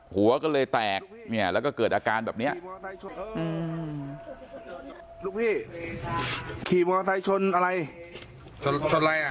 หัวก็เลยแตกแล้วก็เกิดอาการแบบนี้